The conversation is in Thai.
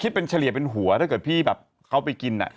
เป็นเฉลี่ยเป็นหัวถ้าเกิดพี่แบบเขาไปกิน